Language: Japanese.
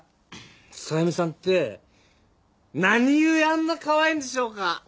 さゆみさんって何ゆえあんなかわいいんでしょうか？